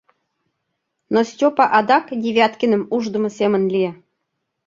Но Стёпа адак Девяткиным уждымо семын лие.